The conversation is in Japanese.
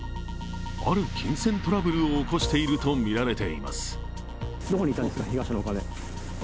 ある金銭トラブルを起こしているとみられています。